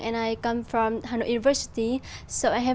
xin chào tôi là my hang và tôi đến từ hà nội